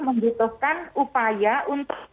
membutuhkan upaya untuk